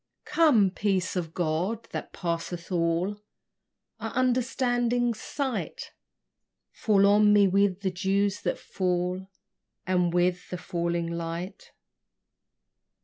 Come, peace of God, that passeth all Our understanding's sight: Fall on me with the dews that fall, And with the falling night.